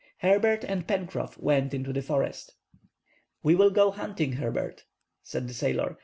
Herbert and Pencroff went into the forest. "We will go hunting, Herbert, "said the sailor.